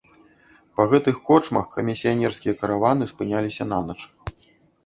Па гэтых корчмах камісіянерскія караваны спыняліся нанач.